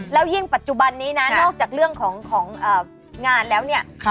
แล้วยิ่งปัจจุบันนี้นะนอกจากเรื่องของงานแล้วเนี่ย